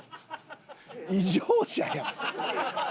異常者やん。